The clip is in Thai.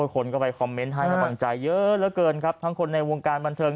คนก็ไปคอมเมนต์ให้กำลังใจเยอะเหลือเกินครับทั้งคนในวงการบันเทิง